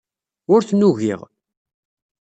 Ur ten-ugiɣ.